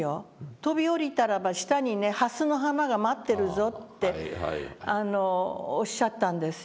「飛び降りたらば下にね蓮の花が待ってるぞ」っておっしゃったんですよ。